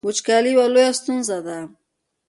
وچکالي یوه لویه ستونزه ده